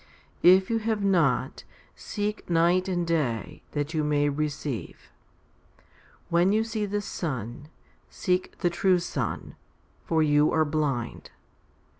If you have not, seek night and day, that you may receive. When you see the sun, seek the true Sun, for you are blind.